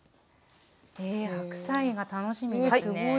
え白菜が楽しみですね！